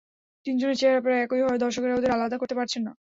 তিনজনের চেহারা প্রায় একই হওয়ায় দর্শকেরা ওদের আলাদা করতে পারছে না।